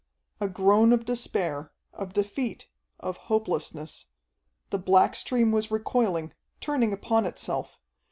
A groan of despair, of defeat, of hopelessness. The black stream was recoiling, turning upon itself.